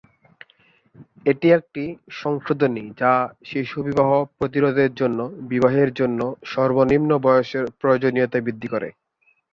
এটি একটি সংশোধনী যা শিশু বিবাহ প্রতিরোধের জন্য বিবাহের জন্য সর্বনিম্ন বয়সের প্রয়োজনীয়তা বৃদ্ধি করে।